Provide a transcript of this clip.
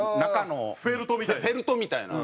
フェルトみたいな？